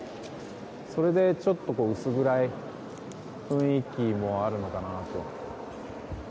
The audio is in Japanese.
それで、ちょっと薄暗い雰囲気もあるのかなと。